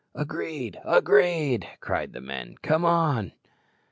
"Agreed, agreed!" cried the men; "come on."